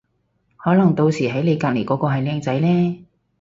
可能到時喺你隔離嗰個係靚仔呢